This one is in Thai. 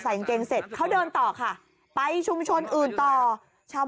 กางเกงเสร็จเขาเดินต่อค่ะไปชุมชนอื่นต่อชาว